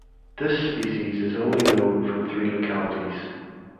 This species is only known from three localities.